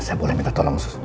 saya boleh minta tolong